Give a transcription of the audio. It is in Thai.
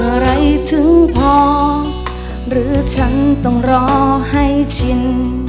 อะไรถึงพอหรือฉันต้องรอให้ชิน